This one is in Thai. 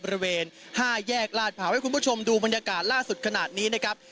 บริเวณ๕แยกลาดเผาให้คุณผู้ชมดูบรรยากาศล่าสุดขนาดนี้นะครับ